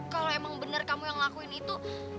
kalau emang benar kamu yang ngelakuin itu